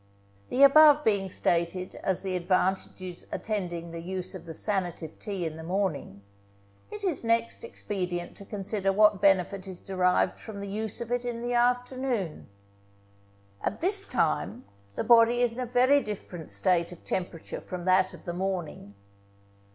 The above being stated as the advantages attending the use of the sanative tea in the morning, it is next expedient to consider what benefit is derived from the use of it in the afternoon. At this time the body is in a very different state of temperature from that of the morning.